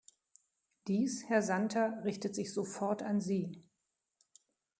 Dies, Herr Santer, richtet sich sofort an Sie.